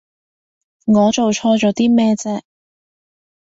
我做錯咗啲咩啫？